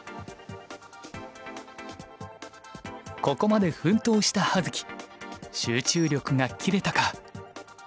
ここまで奮闘した葉月集中力が切れたか？